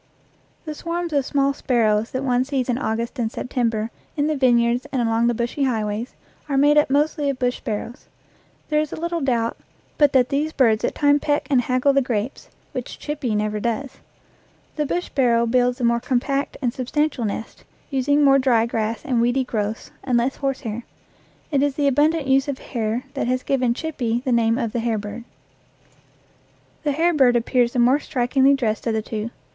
The swarms of small sparrows that one sees in August and September in the vineyards and along the bushy highways are made up mostly of bush sparrows. There is a little doubt but that these birds at times peck and haggle the grapes, which " Chippie " never does. The bush sparrow builds the more compact and substantial nest, using more dry grass and weedy growths, and less horsehair. It is the abundant use of hair that has given "Chippie" the name of the hair bird. The hair bird appears the more strikingly dressed of the two.